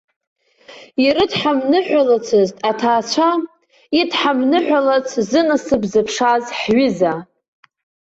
Ирыдҳамныҳәалацызт аҭаацәа, идҳамныҳәалац зынасыԥ зыԥшааз ҳҩыза.